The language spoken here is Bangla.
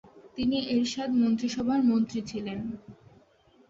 তিনি এরশাদ মন্ত্রীসভার মন্ত্রী ছিলেন।